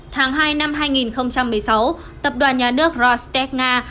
tháng hai năm hai nghìn một mươi sáu tập đoàn nhà nước rosteur nga